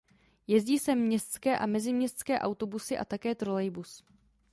Jezdí sem městské a meziměstské autobusy a také trolejbus.